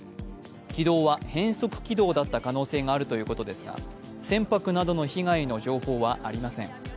軌道は変則軌道だった可能性があるということですが船舶などの被害の情報はありません。